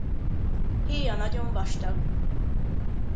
Héja nagyon vastag.